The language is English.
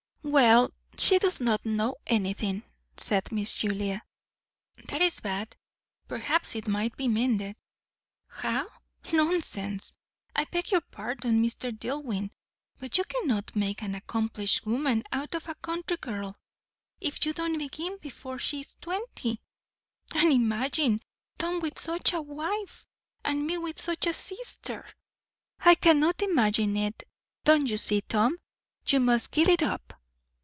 "Well, she does not know anything," said Miss Julia. "That is bad. Perhaps it might be mended." "How? Nonsense! I beg your pardon, Mr. Dillwyn; but you cannot make an accomplished woman out of a country girl, if you don't begin before she is twenty. And imagine Tom with such a wife! and me with such a sister!" "I cannot imagine it. Don't you see, Tom, you must give it up?"